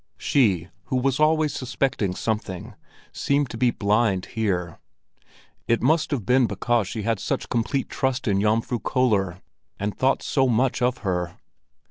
She, who was always suspecting something, seemed to be blind here. It must have been because she had such complete trust in Jomfru Köller, and thought so much of her.